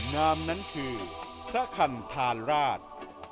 นามนั้นคือพระคันธาราช